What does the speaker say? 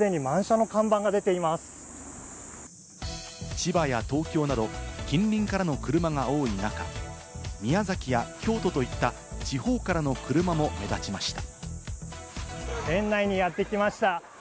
千葉や東京など近隣からの車が多い中、宮崎や京都といった、地方からの車も目立ちました。